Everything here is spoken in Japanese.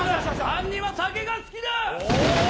犯人は酒が好きだ。